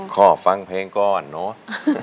ขอฟังเพลงก่อนเนอะ